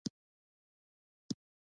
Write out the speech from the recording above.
پلار ته مې وویل زه مشر ورور راپاڅوم.